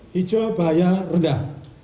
hijau bahaya rendah